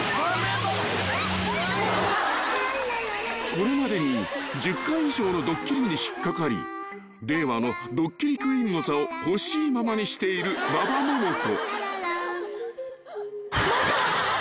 ［これまでに１０回以上のドッキリに引っ掛かり令和のドッキリクイーンの座を欲しいままにしている馬場ももこ］